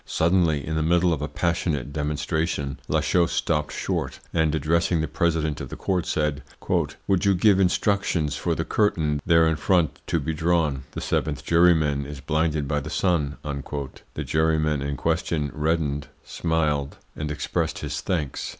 Suddenly, in the middle of a passionate demonstration, Lachaud stopped short, and addressing the President of the court said: `Would you give instructions for the curtain there in front to be drawn? The seventh juryman is blinded by the sun.' The juryman in question reddened, smiled, and expressed his thanks.